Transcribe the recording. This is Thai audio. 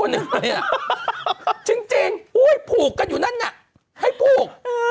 อะไรเนี่ยจริงอุ้ยผูกกันอยู่นั่นน่ะให้ผูก